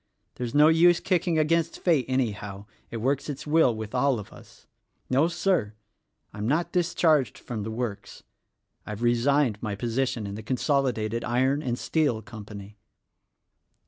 There's no use kicking against Fate, anyhow; it works its will with all of us. No, Sir! I'm not discharged from the works. I've resigned my position in the Consolidated Iron and Steel Company."